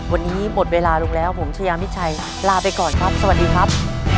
วันนี้หมดเวลาลงแล้วผมชายามิชัยลาไปก่อนครับสวัสดีครับ